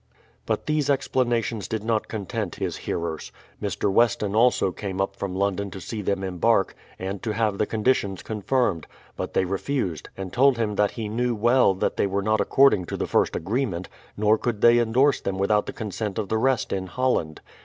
But these explanations did not content his hearers. Mr. Weston also came up from London to see them embark, and to have the conditions confirmed ; but they refused, and told him that he knew well that they were not according to the first agreement, nor could they endorse them without the consent of the rest in Holland.